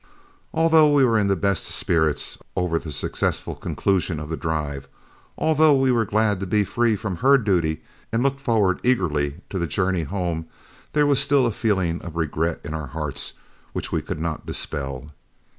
Although we were in the best of spirits over the successful conclusion of the drive; although we were glad to be free from herd duty and looked forward eagerly to the journey home, there was still a feeling of regret in our hearts which we could not dispel.